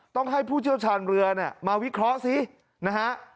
ต้องให้ผู้เชี่ยวชาญเรือเนี่ยมาวิเคราะห์ซินะฮะ